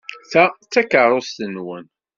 Ta d takeṛṛust-nwen?